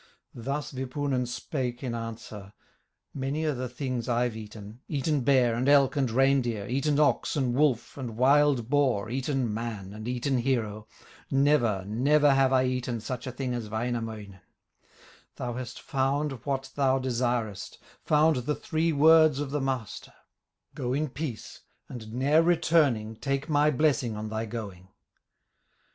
Thus Wipunen spake in answer: "Many are the things I've eaten, Eaten bear, and elk, and reindeer, Eaten ox, and wolf, and wild boar, Eaten man, and eaten hero, Never, never have I eaten Such a thing as Wainamoinen; Thou hast found what thou desirest, Found the three words of the Master; Go in peace, and ne'er returning, Take my blessing on thy going."